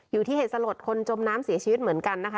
อยู่ที่เหตุสลตรคนจมน้ำเสียชีวิตเหมือนกันนะครับ